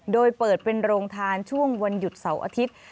โดยเปิดเป็นโรงทานช่วงวันหยุดเสาร์อาทิตย์